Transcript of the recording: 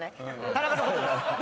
田中のことです。